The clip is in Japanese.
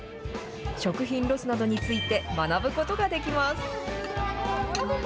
食品ロスなどについて、学ぶことができます。